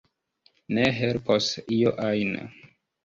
Ne helpos io ajn.